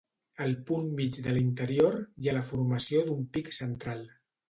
Al punt mig de l'interior hi ha la formació d'un pic central.